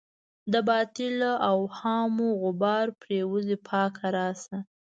د باطلو اوهامو غبار پرېوځي پاکه راشه.